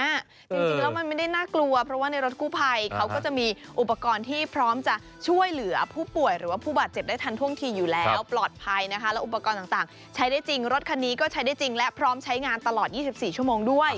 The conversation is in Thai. จริงแล้วมันไม่ได้น่ากลัวเพราะว่าในรถกู้ภัยเขาก็จะมีอุปกรณ์ที่พร้อมจะช่วยเหลือผู้ป่วยหรือว่าผู้บาดเจ็บได้ทันท่วงทีอยู่แล้วปลอดภัยนะคะแล้วอุปกรณ์ต่างใช้ได้จริงรถคันนี้ก็ใช้ได้จริงและพร้อมใช้งานตลอด๒๔ชั่วโมงด้วย